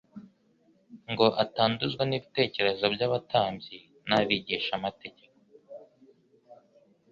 ngo atanduzwa n’ibitekerezo by’abatambyi n’abigishamategeko